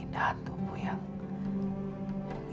nah seperti ini